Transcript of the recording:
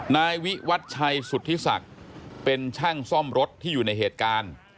นายวิวัชชัยสุธิศักดิ์เป็นช่างซ่อมรถที่อยู่ในเหตุการณ์